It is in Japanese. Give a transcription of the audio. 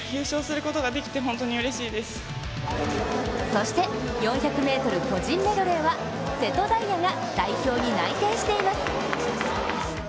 そして４００ｍ個人メドレーは瀬戸大也が代表に内定しています。